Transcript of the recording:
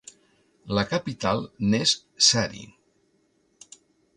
La capital n'és Sari.